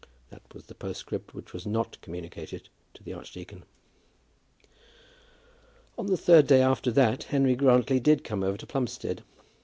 That was the postscript which was not communicated to the archdeacon. On the third day after that Henry Grantly did come over to Plumstead.